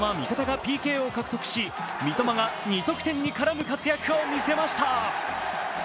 そのまま味方がＰＫを獲得し三笘が２得点に絡む活躍をみせました。